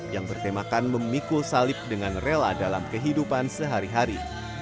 yang bertemakan memikul salib dengan rela dalam kehidupan sehari hari